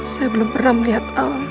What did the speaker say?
saya belum pernah melihat alam